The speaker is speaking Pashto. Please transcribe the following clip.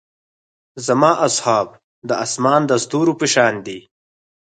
زما اصحاب د اسمان د ستورو پۀ شان دي.